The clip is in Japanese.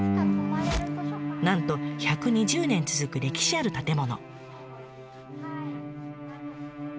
なんと１２０年続く歴史ある建物。